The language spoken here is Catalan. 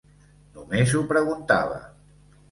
Només ho preguntava.